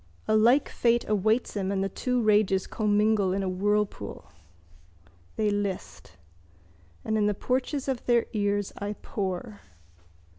A like fate awaits him and the two rages commingle in a whirlpool. They list. And in the porches of their ears I pour.